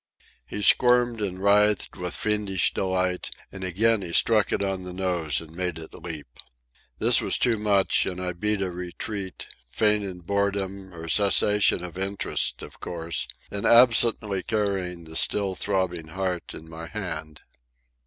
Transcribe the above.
He squirmed and writhed with fiendish delight, and again he struck it on the nose and made it leap. This was too much, and I beat a retreat—feigning boredom, or cessation of interest, of course; and absently carrying the still throbbing heart in my hand.